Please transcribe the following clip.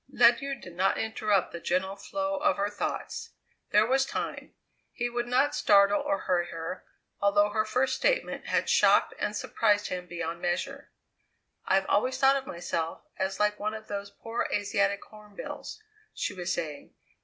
Ledyard did not interrupt the gentle flow of her thoughts. There was time; he would not startle or hurry her, although her first statement had shocked and surprised him beyond measure. "I've always thought of myself as like one of those poor Asiatic hornbills," she was saying.